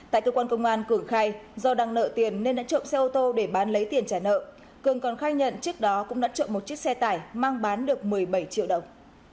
tại cơ quan công an cường khai do đang nợ tiền nên đã trộm xe ô tô để bán lấy tiền trả nợ cường còn khai nhận trước đó cũng đã trộm một chiếc xe tải mang bán được một mươi bảy triệu đồng